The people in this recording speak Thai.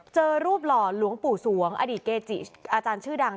เจอรูปหล่อหลวงปู่สวงอดีตเกจิอาจารย์ชื่อดัง